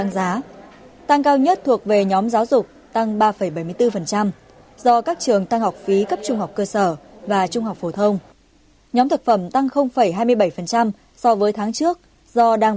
giá xăng dầu được điều chỉnh hai lần